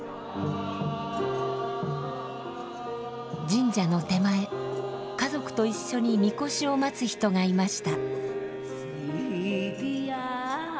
神社の手前家族と一緒に神輿を待つ人がいました。